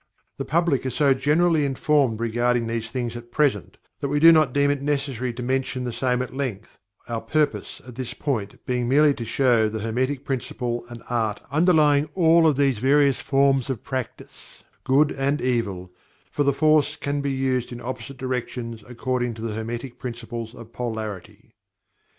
The public are so generally informed regarding these things at present, that we do not deem it necessary to mention the same at length, our purpose at this point being merely to show the Hermetic Principle and Art underlying all of these various forms of practice, good and evil, for the force can be used in opposite directions according to the Hermetic Principles of Polarity.